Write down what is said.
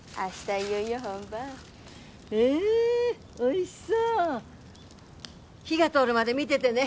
いよいよ本番うおいしそう火が通るまで見ててね